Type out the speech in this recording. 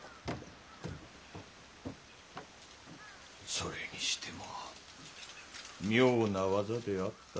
それにしても妙な技であったなあ。